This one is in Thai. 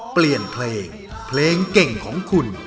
เปลี่ยนเพลงเพลงเก่งของคุณ